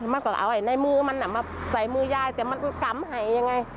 มันก็เอาในมือมันมาใส่มือยายแต่มันกำให้ยังไง